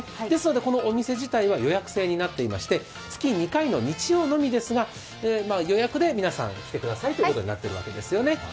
ですので、このお店自体は予約制となっていまして月２回の日曜のみですが、予約で皆さん来てくださいということになっているわけです。